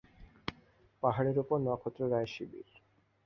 পাহাড়ের উপর নক্ষত্ররায়ের শিবির।